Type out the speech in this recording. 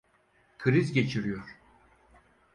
Kriz geçiriyor.